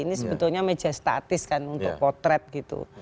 ini sebetulnya meja statis kan untuk potret gitu